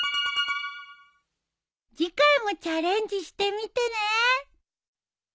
次回もチャレンジしてみてね。